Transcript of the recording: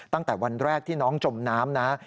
ตั้งแต่วันแรกที่น้องจมน้ำนะ